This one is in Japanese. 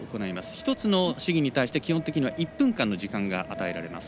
１つの試技に対して基本的には１分間の時間が与えられます。